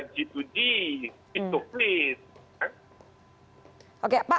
persiapannya kan sebetulnya sudah lewat dari tiga hari